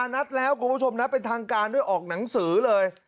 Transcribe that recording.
นัดแล้วคุณผู้ชมนะเป็นทางการด้วยออกหนังสือเลย